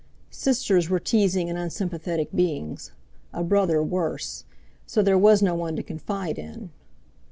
Sisters were teasing and unsympathetic beings, a brother worse, so there was no one to confide in.